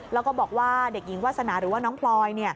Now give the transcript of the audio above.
แล้วก็บอกว่าเด็กหญิงวาสนาหรือว่าน้องพลอย